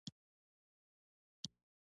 وګړي د افغانستان د ټولنې لپاره بنسټيز رول لري.